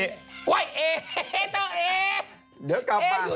เเว้ยเจ้าเอ